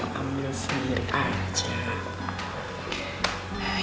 mama ambil sendiri aja